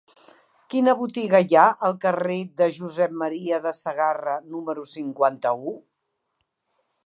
Quina botiga hi ha al carrer de Josep M. de Sagarra número cinquanta-u?